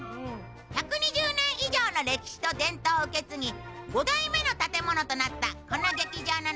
１２０年以上の歴史と伝統を受け継ぎ五代目の建物となったこの劇場の名前は？